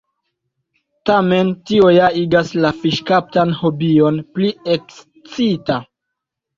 Tamen tio ja igas la fiŝkaptan hobion pli ekscita!